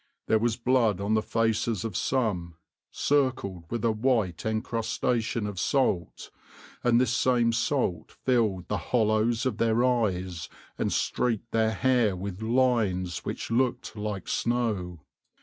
There was blood on the faces of some, circled with a white encrustation of salt, and this same salt filled the hollows of their eyes and streaked their hair with lines which looked like snow.